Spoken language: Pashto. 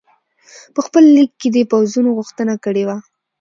په خپل لیک کې دې د پوځونو غوښتنه کړې وه.